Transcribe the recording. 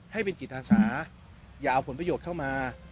ให้เป็นจิตอาสาอย่าเอาผลประโยชน์เข้ามา